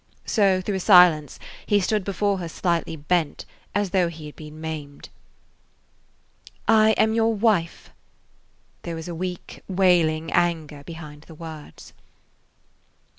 So, through a silence, he stood before her slightly bent, as though he had been maimed. "I am your wife." There was a weak, wailing anger behind the words.